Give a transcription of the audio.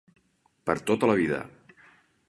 Per tota la vida.